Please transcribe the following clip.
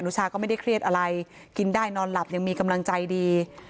ชาก็ไม่ได้เครียดอะไรกินได้นอนหลับยังมีกำลังใจดี